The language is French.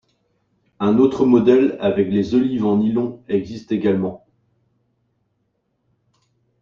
Un autre modèle, avec les olives en nylon existe également.